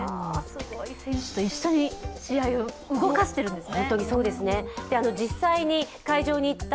選手と一緒に試合を動かしているんですね。